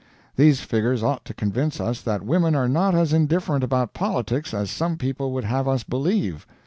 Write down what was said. These figures ought to convince us that women are not as indifferent about politics as some people would have us believe.